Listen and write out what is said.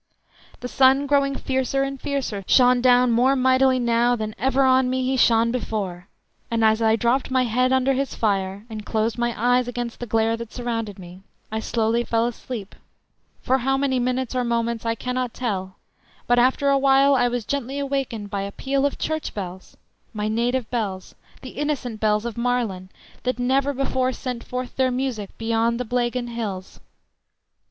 The sun growing fiercer and fiercer shone down more mightily now than ever on me he shone before, and as I dropped my head under his fire, and closed my eyes against the glare that surrounded me, I slowly fell asleep, for how many minutes or moments I cannot tell, but after a while I was gently awakened by a peal of church bells, my native bells, the innocent bells of Marlen, that never before sent forth their music beyond the Blaygon hills!